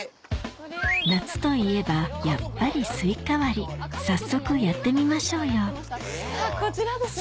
夏といえばやっぱりスイカ割り早速やってみましょうよこちらですよ。